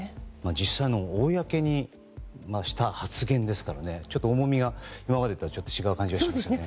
実際、公にした発言ですから重みは今までと違う感じはしますね。